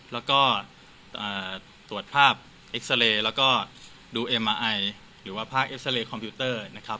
แล้วก็ตรวจภาพเอ็กซาเรย์แล้วก็ดูเอ็มมาไอหรือว่าภาพเอ็กซาเรย์คอมพิวเตอร์นะครับ